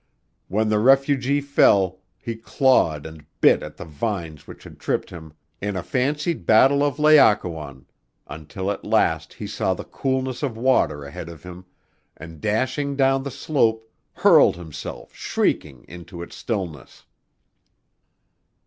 When the refugee fell, he clawed and bit at the vines which had tripped him, in a fancied battle of Laocoön, until at last he saw the coolness of water ahead of him, and, dashing down the slope, hurled himself, shrieking, into its stillness.